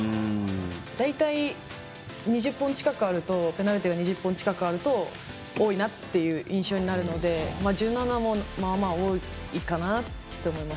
大体ペナルティが２０本近くあると多いなっていう印象があるので１７もまあまあ多いかなって思います。